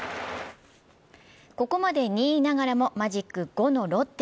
ここまで２位ながらもマジック５のロッテ。